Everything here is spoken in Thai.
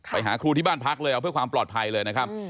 ไปหาครูที่บ้านพักเลยเอาเพื่อความปลอดภัยเลยนะครับ